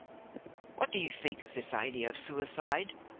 "What do you think of this idea of suicide?"